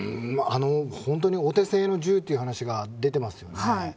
本当にお手製の銃という話が出ていますよね。